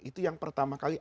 itu yang pertama kali